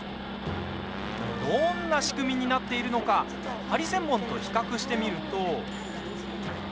どんな仕組みになっているのかハリセンボンと比較してみると。